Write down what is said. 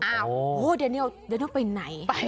โหแดเนียลไปไหน